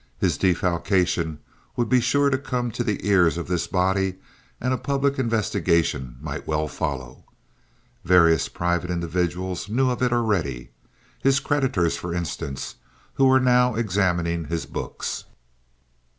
His defalcation would be sure to come to the ears of this body and a public investigation might well follow. Various private individuals knew of it already. His creditors, for instance, who were now examining his books.